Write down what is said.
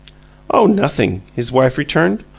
"Oh, nothing," his wife returned.